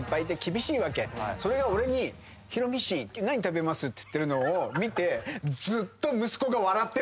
それが俺に「ヒロミ氏今日何食べます？」っつってるのを見て。